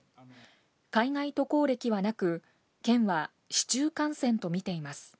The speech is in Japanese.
海外渡航歴はなく県は市中感染とみています。